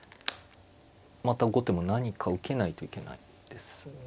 また後手も何か受けないといけないですね。